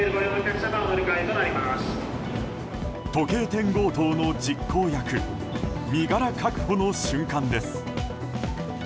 時計店強盗の実行役身柄確保の瞬間です。